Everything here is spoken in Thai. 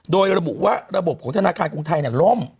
โดยระบุว่าระบบของธนาคารกรุงไทยล่ม